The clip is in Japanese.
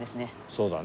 そうだね。